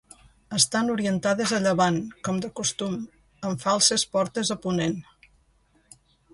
Estan orientades a llevant, com de costum, amb falses portes a ponent.